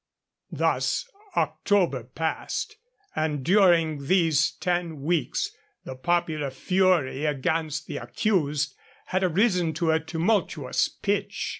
Thus October passed, and during these ten weeks the popular fury against the accused had arisen to a tumultuous pitch.